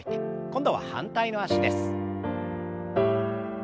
今度は反対の脚です。